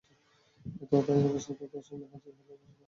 হয়তো তাই আবার শ্রোতাদের সামনে হাজির হলেন, তবে এবার কণ্ঠশিল্পী হিসেবে।